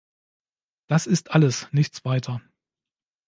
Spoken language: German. Das ist alles, nichts weiter.